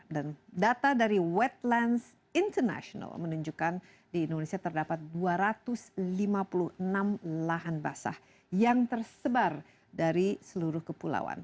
dan data dari wetlands international menunjukkan di indonesia terdapat dua ratus lima puluh enam lahan basah yang tersebar dari seluruh kepulauan